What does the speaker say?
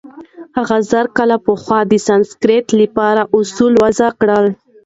هغه زرکال پخوا د سانسکریت له پاره اوصول وضع کړل.